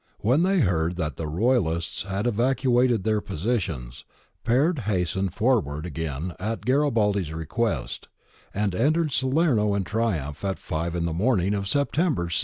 When they heard that the Royalists had evacuated their positions, Peard hastened forward again at Garibaldi's request, and entered Salerno in triumph at five in the morning of September 6.